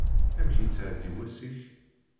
Amek yettεeddi wass-ik?